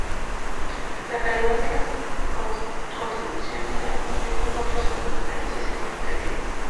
La calidad de las contribuciones de ambos grupos no presentó diferencias significativas.